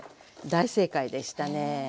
大正解でしたねはい。